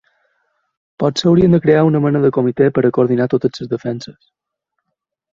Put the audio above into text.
Potser hauríem de crear una mena de comitè per a coordinar totes les defenses.